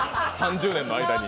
３０年の間に。